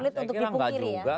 saya kira enggak juga